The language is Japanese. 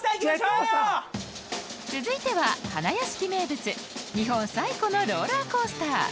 続いては花やしき名物日本最古のローラーコースター